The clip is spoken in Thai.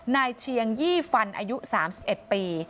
เชียงยี่ฟันอายุ๓๑ปี